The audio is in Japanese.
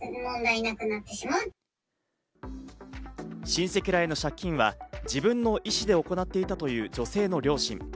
親戚らへの借金は自分の意思で行っていたという女性の両親。